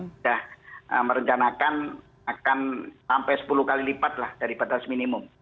sudah merencanakan akan sampai sepuluh kali lipat lah dari batas minimum